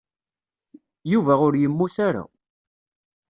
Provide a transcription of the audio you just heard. Yuba ur yemmut ara.